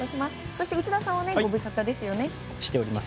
そして内田さんはご無沙汰ですね。